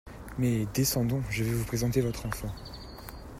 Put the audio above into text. Mais, descendons, je vais vous présenter votre enfant.